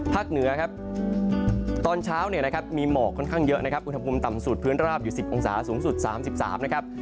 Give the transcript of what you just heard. เหนือครับตอนเช้าเนี่ยนะครับมีหมอกค่อนข้างเยอะนะครับอุณหภูมิต่ำสุดพื้นราบอยู่๑๐องศาสูงสุด๓๓นะครับ